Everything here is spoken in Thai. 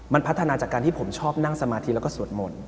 มันพัฒนาจากการที่ผมชอบนั่งสมาธิแล้วก็สวดมนต์